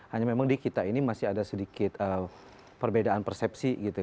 hanya memang di kita ini masih ada sedikit perbedaan persepsi gitu